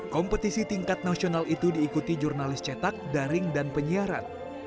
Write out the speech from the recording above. kompetisi tingkat nasional itu diikuti jurnalis cetak daring dan penyiaran